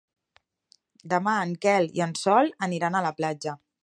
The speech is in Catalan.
Demà en Quel i en Sol aniran a la platja.